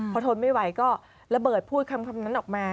พอทนไม่ไหวก็ระเบิดพูดคำนั้นออกมา